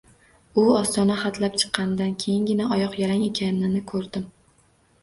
U ostona hatlab chiqqanidan keyingina oyoq yalang ekanini ko‘rdim.